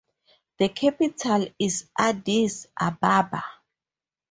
The capital is Addis Ababa.